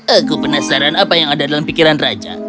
aku penasaran apa yang ada dalam pikiran raja